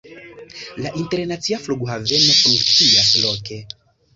La internacia flughaveno funkcias loke.